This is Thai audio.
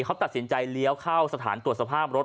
เขาตัดสินใจเลี้ยวเข้าสถานตรวจสภาพรถ